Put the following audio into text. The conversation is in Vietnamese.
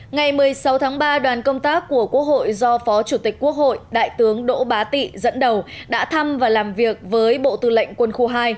ngày một mươi sáu tháng ba đoàn công tác của quốc hội do phó chủ tịch quốc hội đại tướng đỗ bá tị dẫn đầu đã thăm và làm việc với bộ tư lệnh quân khu hai